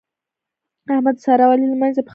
احمد د سارا او علي له منځه پښه وکښه.